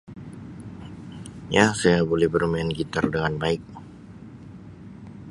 Ya saya boleh bermain gitar dengan baik.